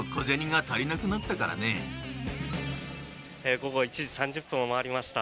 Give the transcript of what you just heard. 午後１時３０分を回りました。